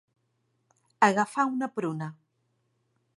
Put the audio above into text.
Agafar una pruna.